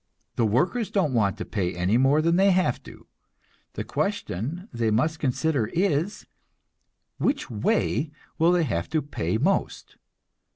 The workers don't want to pay any more than they have to; the question they must consider is, which way will they have to pay most.